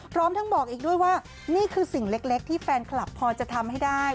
พร้อมทั้งบอกอีกด้วยว่านี่คือสิ่งเล็กที่แฟนคลับพอจะทำให้ได้